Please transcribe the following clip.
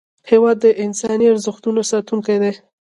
هېواد د انساني ارزښتونو ساتونکی دی.